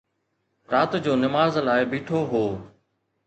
رات جو نماز لاءِ بيٺو هو